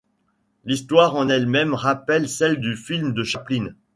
L'histoire en elle-même rappelle celle du film de Chaplin.